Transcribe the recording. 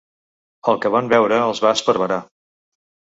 El que van veure els va esparverar.